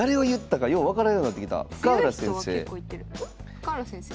深浦先生？